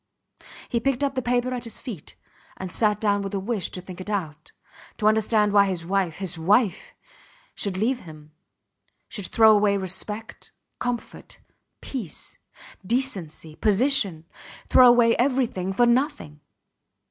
He picked up the paper at his feet, and sat down with the wish to think it out, to understand why his wife his wife! should leave him, should throw away respect, comfort, peace, decency, position throw away everything for nothing!